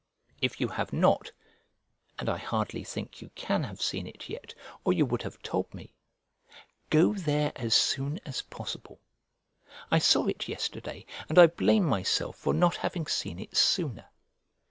If you have not (and I hardly think you can have seen it yet, or you would have told me), go there as soon as possible. I saw it yesterday, and I blame myself for not having seen it sooner.